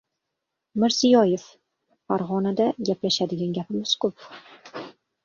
Mirziyoyev: "Farg‘onada gaplashadigan gapimiz ko‘p"